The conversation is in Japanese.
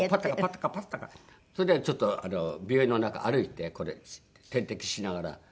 それでちょっと病院の中歩いてこれ点滴しながら。